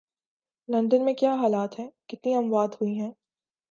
London میں کیا حالات ہیں، کتنی اموات ہوئی ہیں